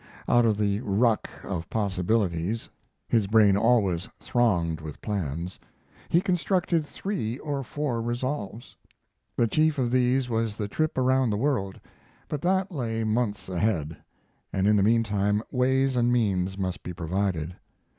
] Out of the ruck of possibilities (his brain always thronged with plans) he constructed three or four resolves. The chief of these was the trip around the world; but that lay months ahead, and in the mean time ways and means must be provided.